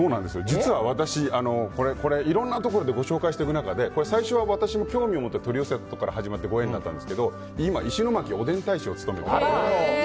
実は私、いろんなところでご紹介している中で最初は私も興味を持って取り寄せたところから始まったご縁だったんですけど今、石巻おでん大使を務めています。